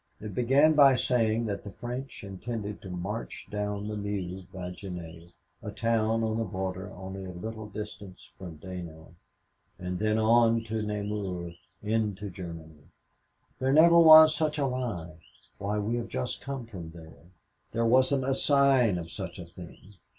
It began by saying that the French intended to march down the Meuse by Givet a town on the border only a little distance from Dinant and then on to Namur into Germany! "There never was such a lie. Why, we have just come from there. There wasn't a sign of such a thing.